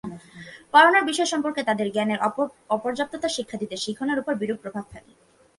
পড়ানোর বিষয় সম্পর্কে তাঁদের জ্ঞানের অপর্যাপ্ততা শিক্ষার্থীদের শিখনের ওপর বিরূপ প্রভাব ফেলে।